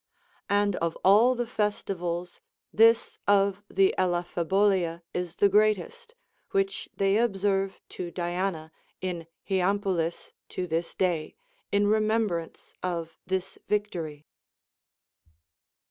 And of all the festivals this of the Elaphebolia is the greatest, Avhich they observe to Diana in Hyampolis to this day, in remembrance of this victory.